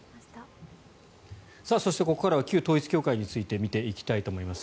そして、ここからは旧統一教会について見ていきたいと思います。